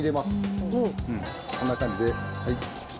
こんな感じではい。